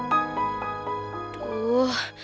kenapa jadi ceritanya